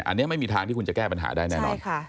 อันนี้ไม่มีทางที่คุณจะแก้ปัญหาได้แน่นอน